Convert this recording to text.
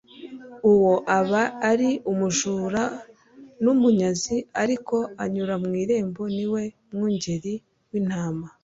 uwo aba ari umujura n'umunyazi. Ariko unyura mu irembo ni we mwungeri w'intama."